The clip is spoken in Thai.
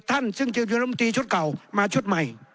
๗ท่านซึ่งจึงจุดยนต์ธรรมดีชุดเก่ามาชุดใหม่